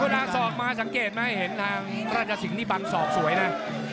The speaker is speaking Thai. ผู้น้าศอกมาสังเกตมาให้เห็นทางราชาศิกร์นี่บังศอกสวยน่ะ